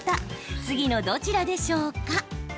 次のどちらでしょうか？